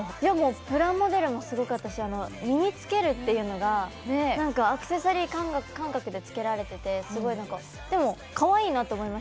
プラモデルもすごかったし身に着けるっていうのがアクセサリー感覚で着けられててでも、かわいいなと思います。